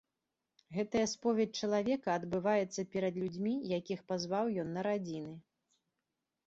Гэтая споведзь чалавека адбываецца перад людзьмі, якіх пазваў ён на радзіны.